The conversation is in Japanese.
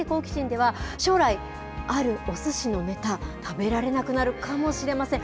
では、将来、あるおすしのネタ、食べられなくなるかもしれません。